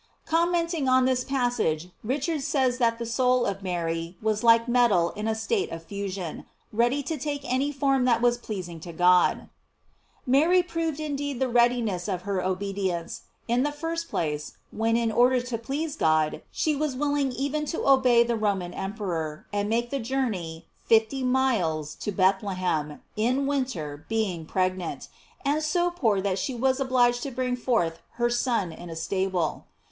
"* Comment ing on this passage, Richard says that the soul of Mary was like metal in a state of fusion, ready to take any form that was pleasing to God.f Mary proved indeed the readiness of her obedience, in the first place, when, in order to please God, she was willing even to obey the Roman emperor, and made the journey, fifty miles, to Bethlehem, in winter, being pregnant, and so poor that she was obliged to bring forth her Son in a stable.